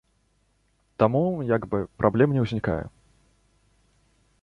Таму, як бы, праблем не ўзнікае.